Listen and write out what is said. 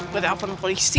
gue tahan polisi